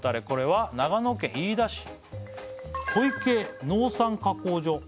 これは長野県飯田市小池農産加工所